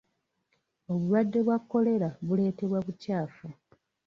Obulwadde bwa Kolera buleetebwa bukyafu.